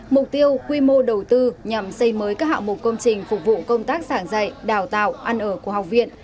mục tiêu quy mô đầu tư nhằm xây mới các hạng mục công trình phục vụ công tác sảng dạy đào tạo ăn ở của học viện